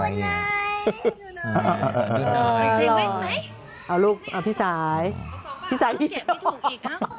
อุ๊ยแบงค์น้อยรายไว้รายไว้รองรึอะ